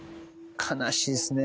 悲しいですね。